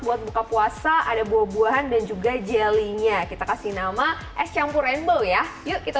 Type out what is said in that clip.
buat buka puasa ada buah buahan dan juga jelly nya kita kasih nama es campur rainbow ya yuk kita